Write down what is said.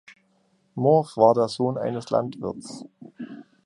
Morf war der Sohn eines Landwirts.